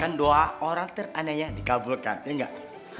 kan doa orang teraniaya dikabulkan ya gak